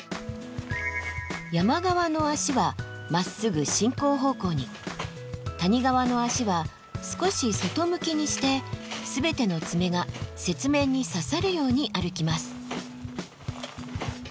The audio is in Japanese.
山側の足はまっすぐ進行方向に谷側の足は少し外向きにして全ての爪が雪面に刺さるように歩きます。